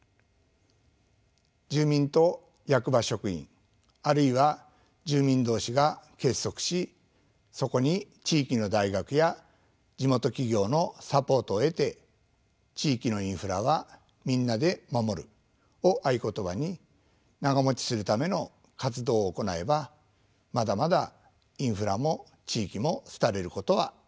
住民と役場職員あるいは住民同士が結束しそこに地域の大学や地元企業のサポートを得て地域のインフラはみんなで守るを合言葉に長もちするための活動を行えばまだまだインフラも地域も廃れることはありません。